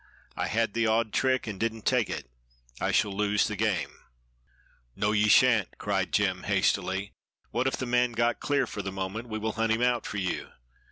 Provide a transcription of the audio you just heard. I had the odd trick, and didn't take it I shall lose the game." "No, ye shan't," cried Jem, hastily. "What if the man got clear for the moment, we will hunt him out for you.